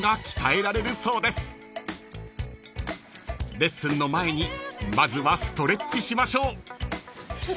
［レッスンの前にまずはストレッチしましょう］